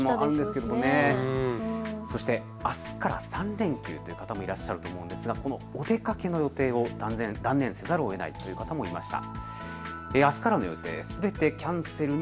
そしてあすから３連休という方もいらっしゃると思うんですが、お出かけの予定を断念せざるをえないという方もいらっしゃいました。